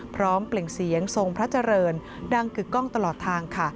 เปล่งเสียงทรงพระเจริญดังกึกกล้องตลอดทางค่ะ